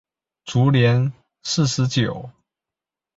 卒年四十九。